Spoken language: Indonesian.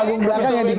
lainnya sampah itu tadi